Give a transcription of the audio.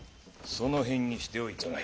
その辺にしておいたがよい。